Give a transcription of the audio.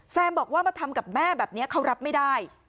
บอกว่ามาทำกับแม่แบบนี้เขารับไม่ได้